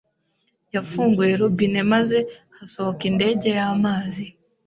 Yafunguye robine maze hasohoka indege y'amazi.